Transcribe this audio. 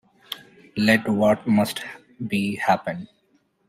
Let what must be, happen.